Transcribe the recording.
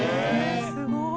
すごい。